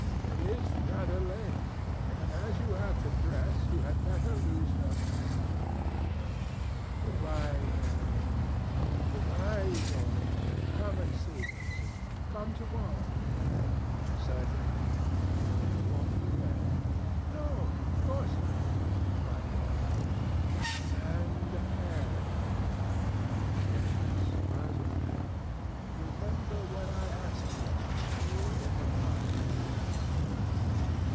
"It is rather late, and, as you have to dress, you had better lose no time. Good bye, Harry. Good bye, Dorian. Come and see me soon. Come to morrow." "Certainly." "You won't forget?" "No, of course not," cried Dorian. "And ... Harry!" "Yes, Basil?" "Remember what I asked you, when we were in the garden this morning."